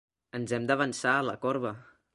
Ens hem d'avançar a la corba.